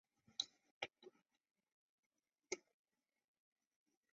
东非蜂的授粉效果也比欧洲蜂差。